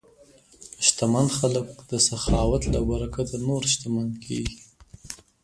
شتمن خلک د سخاوت له برکته نور شتمن کېږي.